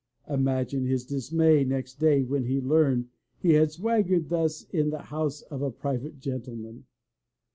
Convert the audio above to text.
Imagine his dismay next day when he learned he had swag gered thus in the house of a private gentleman!